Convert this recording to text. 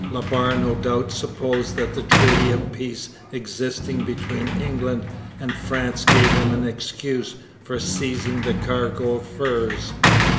La Barre no doubt supposed that the treaty of peace existing between England and France gave him an excuse for seizing the cargo of furs.